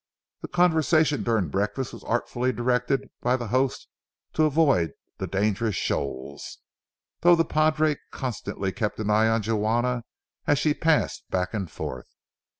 The conversation during breakfast was artfully directed by the host to avoid the dangerous shoals, though the padre constantly kept an eye on Juana as she passed back and forth.